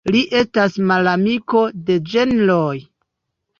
Li estas malamiko de ĝenroj.